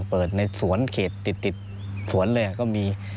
เปิดในสวนเขตติดสวนเลยก็มี